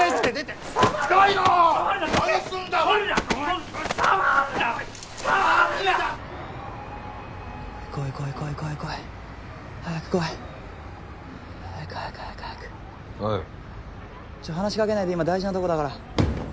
ちょっと話しかけないで今大事なとこだから。